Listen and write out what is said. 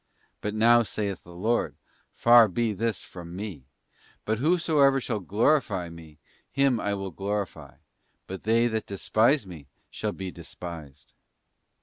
But now saith the Lord, Far be this from Me: but whosoever shall glorify Me, him will I glorify: but they that despise Me shall be despised.